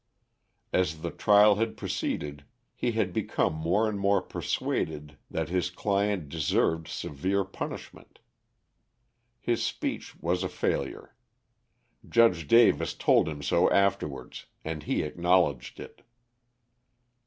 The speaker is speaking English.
As the trial had proceeded, he had become more and more persuaded that his client deserved severe punishment. His speech was a failure. Judge Davis told him so afterwards, and he acknowledged it.